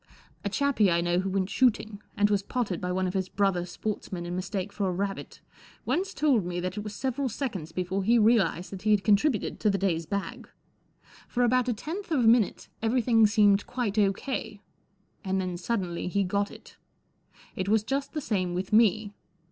A chappie I know who went shooting, and was potted by one of his brother sportsmen in mistake for a rabbit, once told me that it was several seconds before he realized that he had contributed to the day's bag. For about a tenth of a minute everything seemed quite O.K., and then suddenly he got it. It was just the same with me.